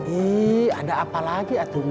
ih ada apa lagi atun